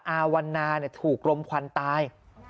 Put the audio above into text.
อาวันนาถูกลมควันตาย